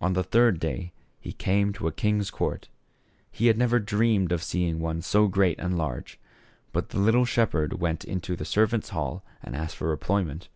On the third day he came to a king's court. He had never dreamed of seeing one so great and large. But the little shepherd went into the servants' hall and asked for employment.